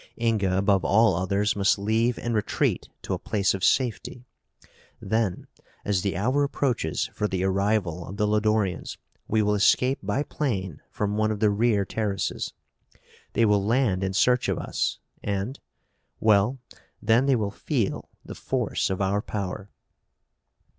Inga, above all others, must leave and retreat to a place of safety. Then, as the hour approaches for the arrival of the Lodorians, we will escape by plane from one of the rear terraces. They will land in search of us and well, then they will feel the force of our power."